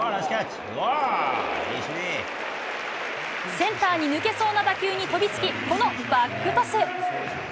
センターに抜けそうな打球に飛びつき、このバックトス。